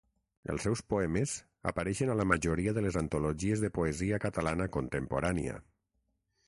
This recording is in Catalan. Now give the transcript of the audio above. Els seus poemes apareixen a la majoria de les antologies de poesia catalana contemporània.